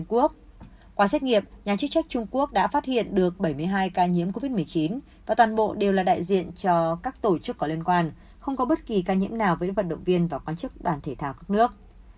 qua xét nghiệp nhà chức trách trung quốc đã phát hiện được bảy mươi hai ca nhiễm covid một mươi chín và toàn bộ đều là đại diện cho các tổ chức có liên quan không có bất kỳ ca nhiễm nào với vận động viên và quan chức đoàn thể thao các nước